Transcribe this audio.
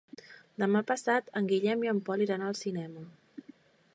Demà passat en Guillem i en Pol iran al cinema.